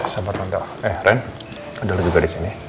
sampai tonton eh ren ada lu juga di sini